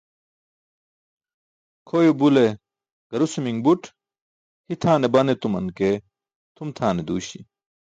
Kʰoyo bule garusumi̇ṅ buṭ, hitʰaane ban etuman ke tʰum tʰane duuśi̇.